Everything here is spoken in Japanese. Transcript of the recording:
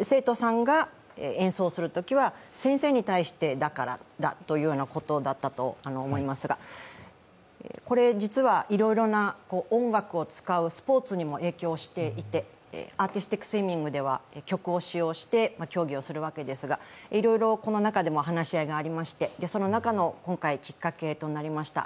生徒さんが演奏するときは先生に対してだからということだったと思いますが、実はいろいろな音楽を使うスポーツにも影響していてアーティスティックスイミングでは曲を使用して競技をするわけですがいろいろこの中でも話し合いがありまして、その中の今回きっかけとなりました。